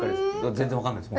全然分かんないです